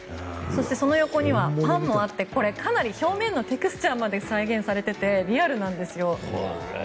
そして、パンもあってかなり表面のテクスチャーまで再現されていてリアルです。